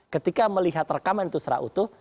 ketika melihat rekaman itu secara utuh